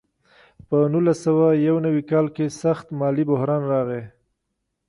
په نولس سوه یو نوي کال کې سخت مالي بحران راغی.